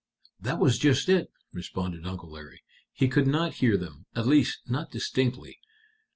"That was just it," responded Uncle Larry; "he could not hear them at least, not distinctly.